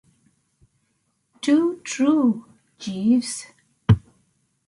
Too true, Jeeves.